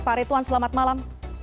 pak rituan selamat malam